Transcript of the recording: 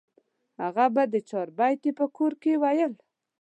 هغه به د چاربیتې په کور کې ویل.